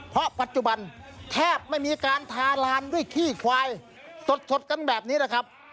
เพราะปัจจุบันแทบไม่มีการทาลานด้วยขี้ควายสดกันแบบนี้นะครับ